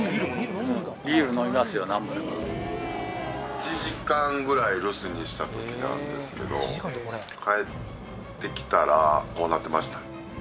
１時間ぐらい留守にした時なんですけど帰ってきたらこうなってました。